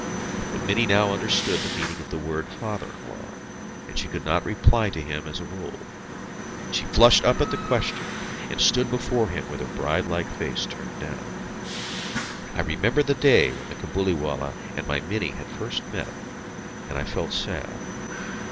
But Mini now understood the meaning of the word "father in law," and she could not reply to him as of old. She flushed up at the question, and stood before him with her bride like face turned down. I remembered the day when the Cabuliwallah and my Mini had first met, and I felt sad.